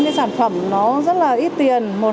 cái sản phẩm nó rất là ít tiền